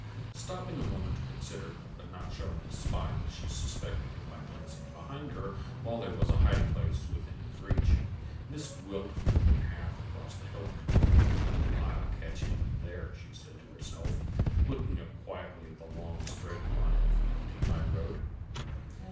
Stopping a moment to consider, but not showing the spy that she suspected him by glancing behind her while there was a hiding place within his reach, Miss Gwilt took the path across the hillock. "I'll catch him there," she said to herself, looking up quietly at the long straight line of the empty high road.